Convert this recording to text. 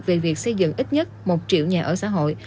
về việc xây dựng ít nhất một triệu nhà ở xã hội